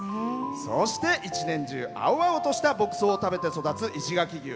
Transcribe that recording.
そして、一年中青々とした牧草を食べて育つ石垣牛。